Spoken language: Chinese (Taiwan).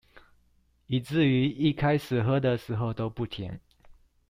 以至於一開始喝的時候都不甜